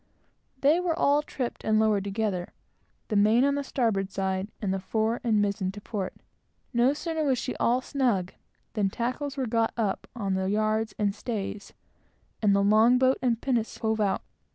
They were all tripped and lowered together, the main on the starboard side, and the fore and mizen, to port. No sooner was she all snug, than tackles were got up on the yards and stays, and the long boat and pinnace hove out.